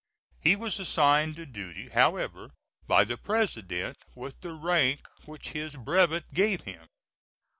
He was assigned to duty, however, by the President, with the rank which his brevet gave him.